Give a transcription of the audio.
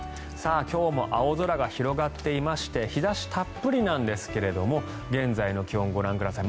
今日も青空が広がっていまして日差したっぷりなんですが現在の気温、ご覧ください。